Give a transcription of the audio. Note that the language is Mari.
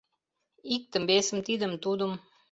Иктым-весым, тидым-тудым